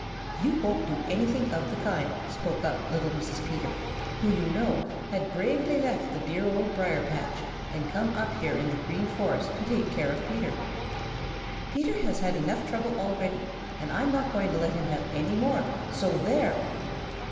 "You won't do anything of the kind!" spoke up little Mrs. Peter, who, you know, had bravely left the dear Old Briar patch and come up here in the Green Forest to take care of Peter. "Peter has had trouble enough already, and I'm not going to let him have any more, so there!"